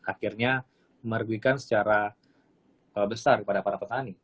akhirnya merugikan secara besar kepada para petani